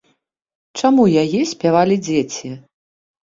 Чаму яе спявалі дзеці?